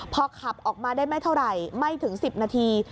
พอขับออกมาได้ไม่เท่าไหร่ไม่ถึง๑๐นาที